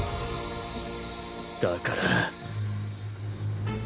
だから。